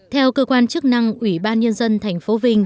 theo cơ quan chức năng ủy ban nhân dân tp vinh